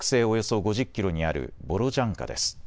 およそ５０キロにあるボロジャンカです。